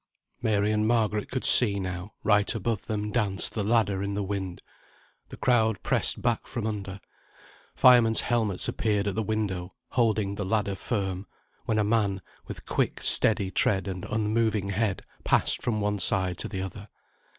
Mary and Margaret could see now; right above them danced the ladder in the wind. The crowd pressed back from under; firemen's helmets appeared at the window, holding the ladder firm, when a man, with quick, steady tread, and unmoving head, passed from one side to the other.